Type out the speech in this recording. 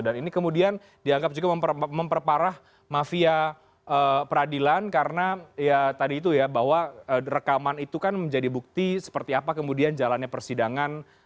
dan ini kemudian dianggap juga memperparah mafia peradilan karena ya tadi itu ya bahwa rekaman itu kan menjadi bukti seperti apa kemudian jalannya persidangan